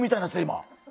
今。